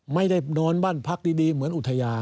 ไม่ได้นอนบ้านพักดีเหมือนอุทยาน